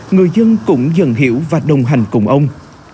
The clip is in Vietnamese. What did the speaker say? người dân cũng dần hiểu và đồng hành cùng ông